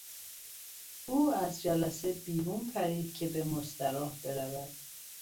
او از جلسه بیرون پرید که به مستراح برود.